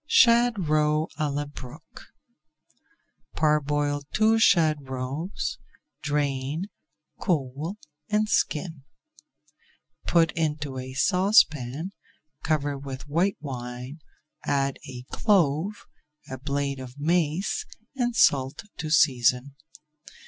SHAD ROE À LA BROOKE Parboil two shad roes, drain, cool, and skin. Put into a saucepan, cover with white wine, add a clove, a blade of mace, and salt to season.